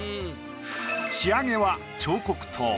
仕上げは彫刻刀。